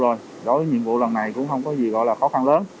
rồi đối với nhiệm vụ lần này cũng không có gì gọi là khó khăn lớn